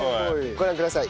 ご覧ください。